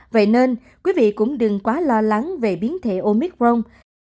vậy nên quý vị cũng đừng quá lo lắng về biến thể omicron